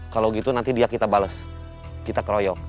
kalau gitu nanti dia kita bales kita keroyok